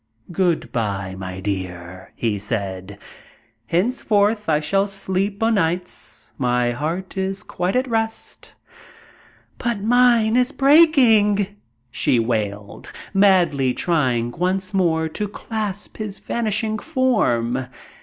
"Good by, my dear!" he said; "henceforth I shall sleep o' nights; my heart is quite at rest." "But mine is breaking," she wailed, madly trying once more to clasp his vanishing form.